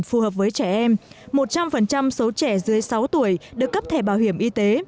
phù hợp với trẻ em một trăm linh số trẻ dưới sáu tuổi được cấp thẻ bảo hiểm y tế